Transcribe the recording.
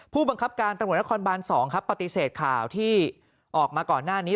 ผู้บังคับการตำรวจนครบาน๒ครับปฏิเสธข่าวที่ออกมาก่อนหน้านี้